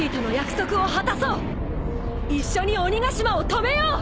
一緒に鬼ヶ島を止めよう！